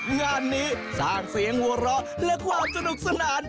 งานนี้สร้างเสียงหัวเราะและความสนุกสนาน